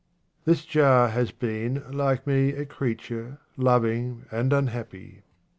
This jar has been, like me, a creature, loving and unhappy.